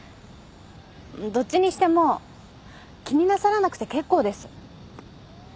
どっちにしても気になさらなくて結構です。